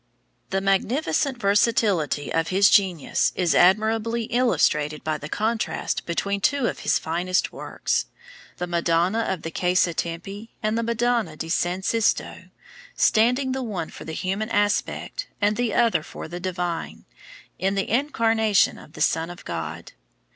] The magnificent versatility of his genius is admirably illustrated by the contrast between two of his finest works, the Madonna of the Casa Tempi and the Madonna di San Sisto, standing the one for the human aspect and the other for the divine, in the incarnation of the Son of God.